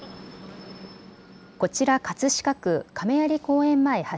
こちら葛飾区亀有公園前派